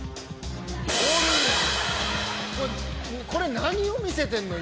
おるやんこれ何を見せてんの？